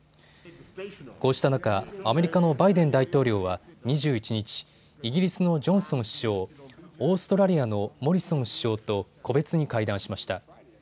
こうした中、アメリカのバイデン大統領は２１日、イギリスのジョンソン首相、オーストラリアのモリソン首相と個別に会談しました。